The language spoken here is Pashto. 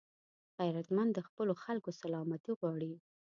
غیرتمند د خپلو خلکو سلامتي غواړي